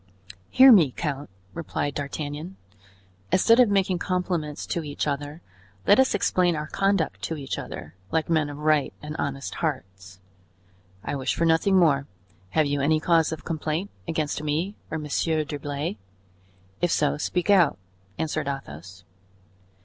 "Hear me, count," replied D'Artagnan; "instead of making compliments to each other, let us explain our conduct to each other, like men of right and honest hearts." "I wish for nothing more; have you any cause of complaint against me or Monsieur d'Herblay? If so, speak out," answered Athos.